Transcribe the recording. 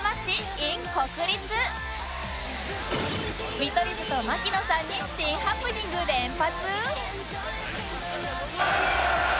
見取り図と槙野さんに珍ハプニング連発？